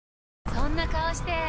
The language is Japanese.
そんな顔して！